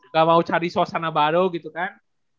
gak mau cari suasana baru gitu kan